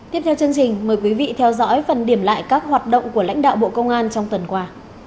tiếp theo chương trình mời quý vị theo dõi phần điểm lại các hoạt động của lãnh đạo bộ công an trong tuần qua